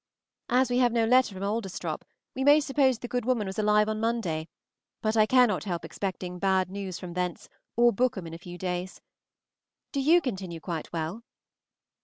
As we have no letter from Adlestrop, we may suppose the good woman was alive on Monday, but I cannot help expecting bad news from thence or Bookham in a few days. Do you continue quite well?